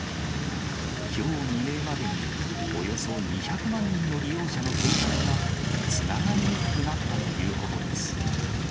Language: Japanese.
きょう未明までにおよそ２００万人の利用者の携帯がつながりにくくなったということです。